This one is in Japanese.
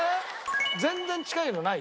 全然近いのない？